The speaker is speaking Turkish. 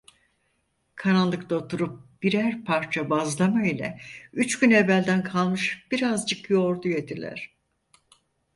Karanlıkta oturup birer parça bazlama ile üç gün evvelden kalmış birazcık yoğurdu yediler.